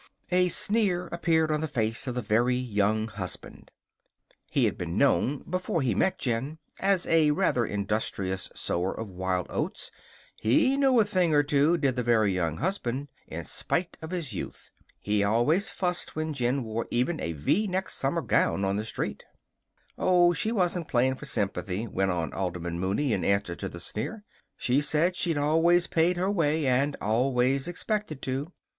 A sneer appeared on the face of the Very Young Husband. He had been known before he met Jen as a rather industrious sower of wild oats. He knew a thing or two, did the Very Young Husband, in spite of his youth! He always fussed when Jen wore even a V necked summer gown on the street. "Oh, she wasn't playing for sympathy," went on Alderman Mooney in answer to the sneer. "She said she'd always paid her way and always expected to.